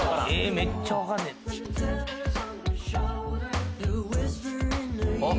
めっちゃわかんねえあっ